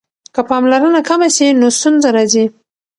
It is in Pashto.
که پاملرنه کمه سي نو ستونزه راځي.